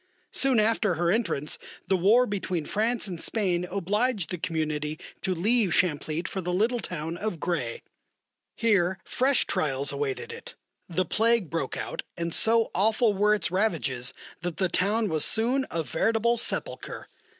Soon after her entrance the war between France and Spain obliged the Community to leave Champlitte for the little town of Gray. Here fresh trials awaited it; the plague broke out, and so awful were its ravages that the town was soon a veritable sepulchre.